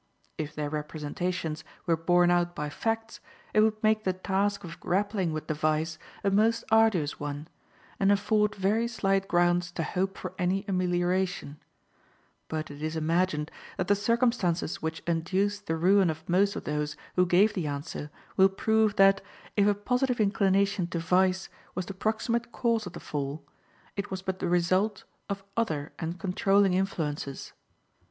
If their representations were borne out by facts, it would make the task of grappling with the vice a most arduous one, and afford very slight grounds to hope for any amelioration; but it is imagined that the circumstances which induced the ruin of most of those who gave the answer will prove that, if a positive inclination to vice was the proximate cause of the fall, it was but the result of other and controlling influences.